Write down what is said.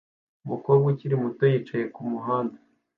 Umukobwa ukiri muto yicaye kumuhanda